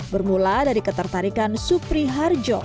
bermula dari ketertarikan supri harjo